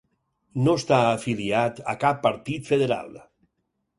No està afiliat a cap partit federal.